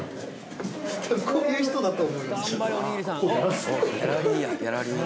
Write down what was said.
多分こういう人だと思います。